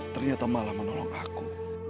ternyata malah menolong aku